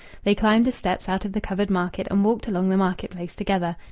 They climbed the steps out of the covered market and walked along the market place together.